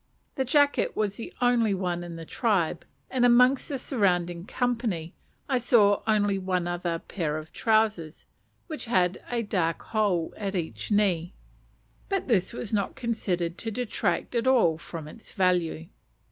The jacket was the only one in the tribe; and amongst the surrounding company I saw only one other pair of trousers, which had a large hole at each knee; but this was not considered to detract at all from its value.